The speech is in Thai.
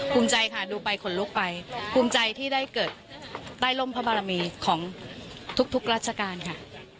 ภูมิใจค่ะดูไปขนลุกไปภูมิใจที่ได้เกิดใต้ร่มพระบารมีของทุกราชการค่ะ